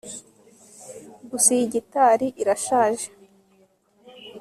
gusa iyi gitari irashaje